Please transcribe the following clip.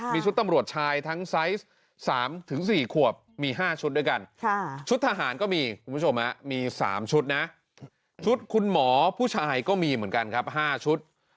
มีชุดตำรวจชายทั้งไซส์๓๔ขวบมี๕ชุดด้วยกันชุดทหารก็มีคุณผู้ชมมี๓ชุดนะชุดคุณหมอผู้ชายก็มีเหมือนกันครับ๕ชุด